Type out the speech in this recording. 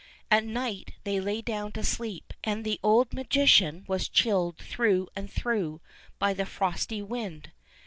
At night they lay down to sleep, and the old magician was chilled through and through by the frosty wind.